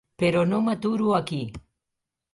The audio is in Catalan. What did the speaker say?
Però no m'aturo aquí.